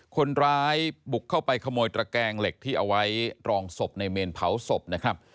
คนร้ายบุกเข้าไปขโมยตระแกงเหล็กที่เอาไว้รองศพในเมนเผาศพนะครับ